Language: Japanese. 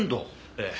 ええ。